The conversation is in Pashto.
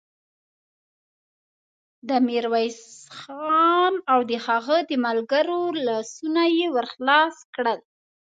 د ميرويس خان او د هغه د ملګرو لاسونه يې ور خلاص کړل.